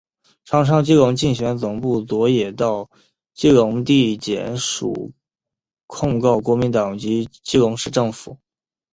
长昌基隆竞选总部昨也到基隆地检署控告国民党及基隆市政府。